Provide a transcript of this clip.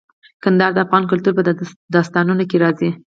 کندهار د افغان کلتور په داستانونو کې راځي.